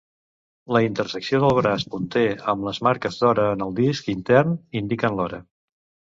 La intersecció del braç punter amb les marques d'hora en el disc intern indica l'hora.